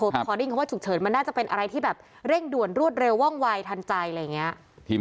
เที่ยวมา๒๓ปีแล้วนะเดี๋ยวฟังหน่อยนะครับ